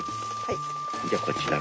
じゃあこちら。